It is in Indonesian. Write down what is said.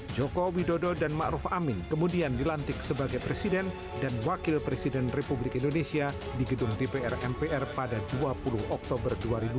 jokowi dodo dan ma'ruf amin kemudian dilantik sebagai presiden dan wakil presiden republik indonesia di gedung tpr npr pada dua puluh oktober dua ribu sembilan belas